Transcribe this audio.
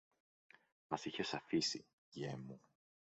Μας είχες αφήσει, γιε μου